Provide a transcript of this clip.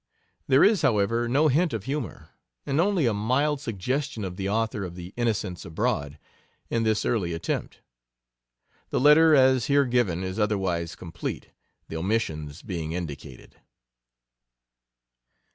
There is, however, no hint of humor, and only a mild suggestion of the author of the Innocents Abroad in this early attempt. The letter as here given is otherwise complete, the omissions being indicated.